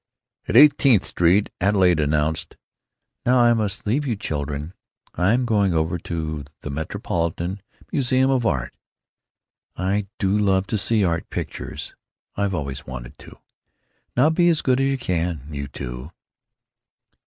At Eightieth Street Adelaide announced: "Now I must leave you children. I'm going over to the Metropolitan Museum of Art. I do love to see art pictures. I've always wanted to. Now be as good as you can, you two."